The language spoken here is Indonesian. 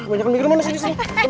banyak emik lo mana sih